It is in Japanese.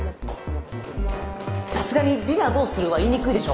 さすがに「ディナーどうする？」は言いにくいでしょ。